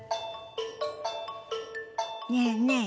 ねえねえ